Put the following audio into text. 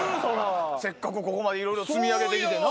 せっかくここまでいろいろ積み上げて来てな。